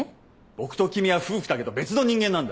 僕と君は夫婦だけど別の人間なんだ。